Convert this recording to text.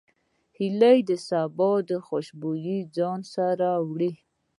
هیلۍ د سبا خوشبو له ځان سره راوړي